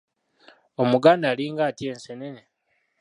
Omuganda alinga atya enseenene?